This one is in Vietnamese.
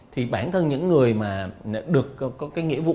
thì bản thân những người mà được có cái nghĩa vụ